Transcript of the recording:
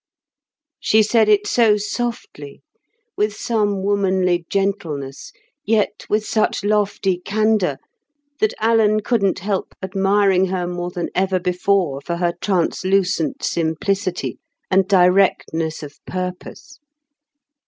She said it so softly, with some womanly gentleness, yet with such lofty candour, that Alan couldn't help admiring her more than ever before for her translucent simplicity, and directness of purpose.